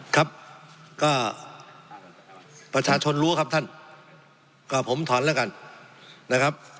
ครับก็ประชาชนรู้ครับท่านก็ผมถอนแล้วกันนะครับ